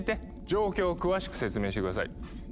状況を詳しく説明して下さい。